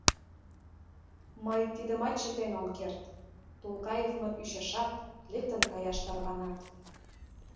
Мый тидымат чытен ом керт, — Тулкаевмыт ӱчашат, лектын каяш тарванат.